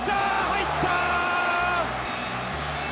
入った！